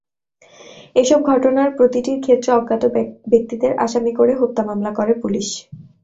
এসব ঘটনার প্রতিটির ক্ষেত্রে অজ্ঞাত ব্যক্তিদের আসামি করে হত্যা মামলা করে পুলিশ।